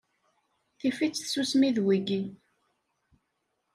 Tifi-tt tsusmi d wigi.